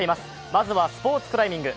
まずはスポ−ツクライミング。